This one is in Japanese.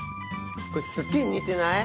これすっげえ似てない？